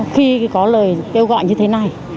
khi có lời kêu gọi như thế này